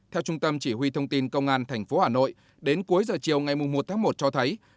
theo trung tâm chỉ huy thông tin công an tp hà nội đến cuối giờ chiều ngày một tháng một cho thấy